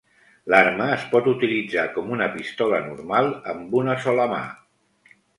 L'arma es pot utilitzar com una pistola normal, amb una sola mà.